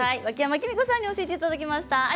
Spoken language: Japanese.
分山貴美子さんに教えていただきました。